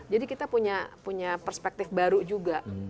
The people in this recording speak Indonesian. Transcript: jadi kita punya perspektif baru juga